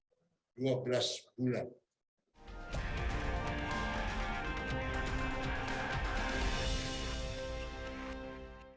itu yang dalam sukan sukan sukan sukan ini